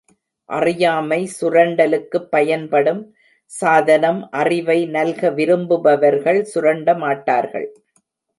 அறியாமை சுரண்டலுக்குப் பயன்படும் சாதனம் அறிவை நல்க விரும்புபவர்கள் சுரண்ட மாட்டார்கள்.